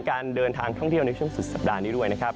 การเดินทางท่องเที่ยวในช่วงสุดสัปดาห์นี้ด้วยนะครับ